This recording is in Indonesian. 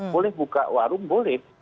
boleh buka warung boleh